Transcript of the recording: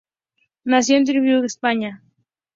Nació en Trujillo España.